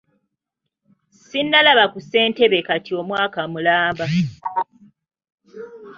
Sinnalaba ku ssentebe kati omwaka mulamba.